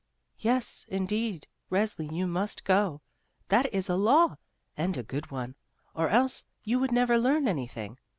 "Yes, indeed, Resli, you must go; that is a law, and a good one, or else you would never learn anything.